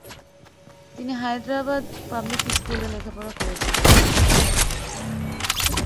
তিনি হায়দরাবাদ পাবলিক স্কুলে লেখাপড়া করেছেন।